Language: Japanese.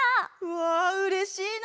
わうれしいな！